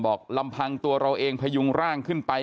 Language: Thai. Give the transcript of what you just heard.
ลำพังตัวเราเองพยุงร่างขึ้นไป